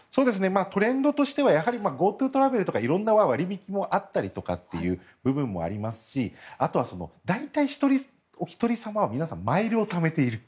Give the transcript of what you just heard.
トレンドとしてはＧｏＴｏトラベルとか色んな割引もあったりしますしあとは大体、お一人様は皆さんマイルをためている。